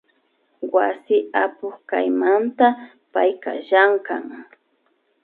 Wasi apuk kaymanta payka llankan